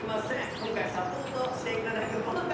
今回サポートしていただくこの方。